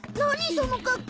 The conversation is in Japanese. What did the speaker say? その格好。